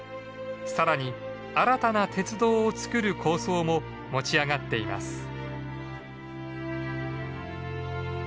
更に新たな鉄道を造る構想も持ち上がっています。